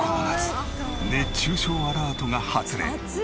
熱中症アラートが発令。